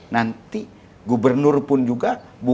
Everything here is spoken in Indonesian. nanti gubernur pun juga